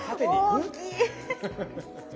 大きい。